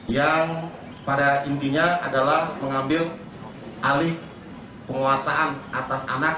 yang pada intinya adalah mengambil alih penguasaan atas anak